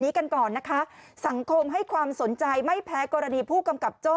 กันก่อนนะคะสังคมให้ความสนใจไม่แพ้กรณีผู้กำกับโจ้